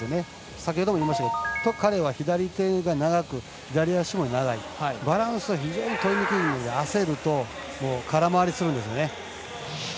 先ほどもいいましたが彼は左手が長く左足も長い、バランスは非常に取りにくいので、焦ると空回りするんですよね。